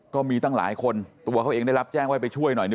ก็มีตั้งหลายคนตัวเขาเองได้รับแจ้งว่าไปช่วยหน่อย